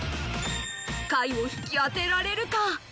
下位を引き当てられるか？